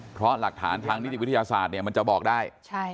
เพราะหลักฐานทางนิติวิทยาศาสตร์มันจะบอกได้